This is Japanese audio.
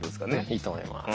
いいと思います。